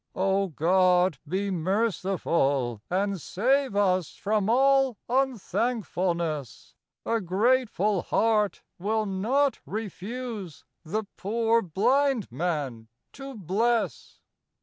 . Oh, God, be merciful and save Us from all un thank fulness ! A grateful heart will not refuse The poor blind man to bless.